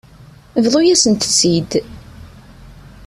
Bḍu-yasent-tt-id.